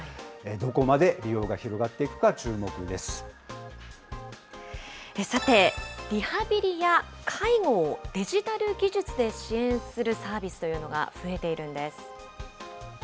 どこまで利用が広がっていくか注さて、リハビリや介護をデジタル技術で支援するサービスというのが増えているんです。